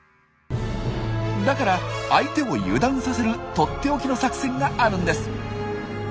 だから相手を油断させるとっておきの作戦があるんです。